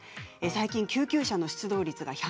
最近、救急車の出動率が１００％